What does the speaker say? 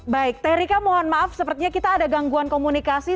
baik terika mohon maaf sepertinya kita ada gangguan komunikasi